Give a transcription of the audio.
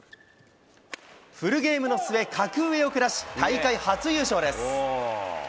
フルゲームの末、格上を下し、大会初優勝です。